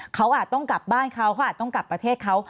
เขาอาจต้องกลับบ้านเขาเขาอาจต้องกลับประเทศเขา